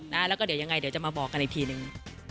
แล้วอย่างไรจะมาบอกกันอีกทีหนึ่ง